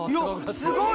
すごい。